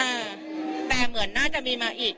แต่เหมือนน่าจะมีมาอีก